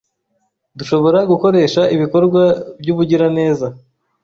Dushobora gukoresha ibikorwa by’ubugiraneza